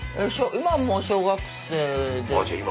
今もう小学生です。